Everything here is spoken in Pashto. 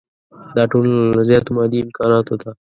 دا ټولنه له زیاتو مادي امکاناتو ده.